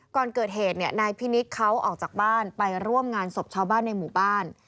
ก่อนเกิดเหตุนายพินิษฐ์เขาออกจากบ้านไปร่วมงานศพชาวบ้านในหมู่บ้าน